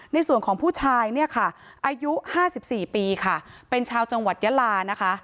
ในส่วนของผู้ชายอายุ๕๔ปีเป็นชาวจังหวัดยะลา